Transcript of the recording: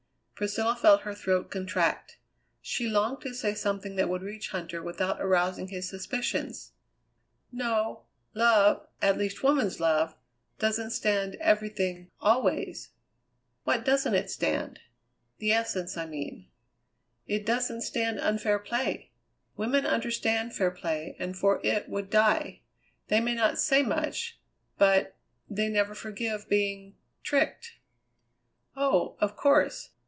Priscilla felt her throat contract. She longed to say something that would reach Huntter without arousing his suspicions. "No; love at least, woman's love, doesn't stand everything always." "What doesn't it stand? The essence, I mean." "It doesn't stand unfair play! Women understand fair play and for it would die. They may not say much, but they never forgive being tricked." "Oh! of course.